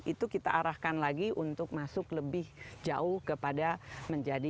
itu kita arahkan lagi untuk masuk lebih jauh kepada menjadi